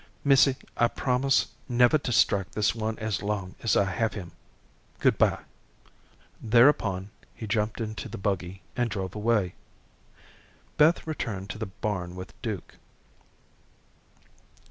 Missy, I promise never to strike this one as long as I have him. Good bye." Thereupon he jumped into the buggy and drove away. Beth returned to the barn with Duke.